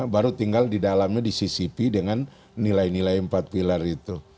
baru tinggal di dalamnya disisipi dengan nilai nilai empat pilar itu